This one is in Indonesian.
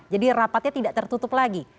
jadi rapatnya tidak tertutup lagi